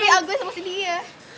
agus sama sidiq ya